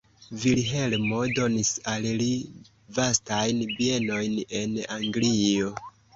Vilhelmo donis al li vastajn bienojn en Anglio.